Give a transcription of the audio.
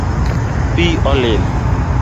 Pi olil